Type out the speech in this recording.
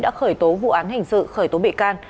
đã khởi tố vụ án hình sự khởi tố bị can